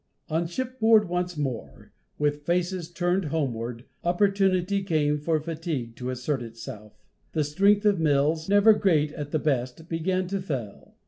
On shipboard once more, with faces turned homeward, opportunity came for fatigue to assert itself. The strength of Mills, never great at the best, began to fail.